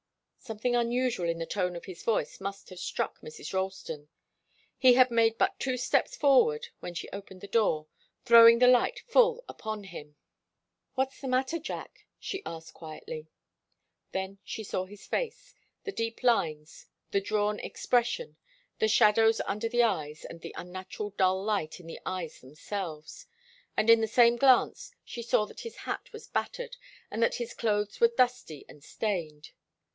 Something unusual in the tone of his voice must have struck Mrs. Ralston. He had made but two steps forward when she opened the door, throwing the light full upon him. "What's the matter, Jack?" she asked, quietly. Then she saw his face, the deep lines, the drawn expression, the shadows under the eyes and the unnatural dull light in the eyes themselves. And in the same glance she saw that his hat was battered and that his clothes were dusty and stained.